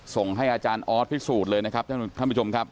ส่งให้อาจารย์ออสพิสูจน์เลยนะครับท่านผู้ชมครับ